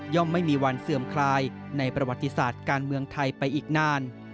ไม่มีวันเสื่อมคลายในประวัติศาสตร์การเมืองไทยไปอีกนาน